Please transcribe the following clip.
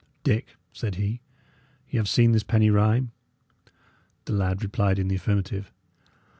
"Dick," said he, "Y' have seen this penny rhyme?" The lad replied in the affirmative.